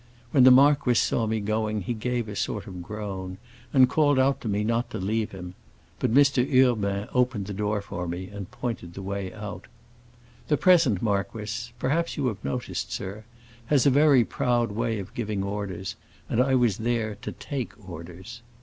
When the marquis saw me going he gave a sort of groan, and called out to me not to leave him; but Mr. Urbain opened the door for me and pointed the way out. The present marquis—perhaps you have noticed, sir—has a very proud way of giving orders, and I was there to take orders.